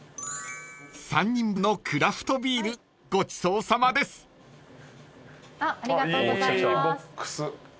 ［３人分のクラフトビールごちそうさまです］いいボックス。